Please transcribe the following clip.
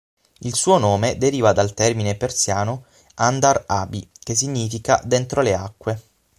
Il suo nome deriva dal termine persiano "Andar-abi" che significa "dentro le acque".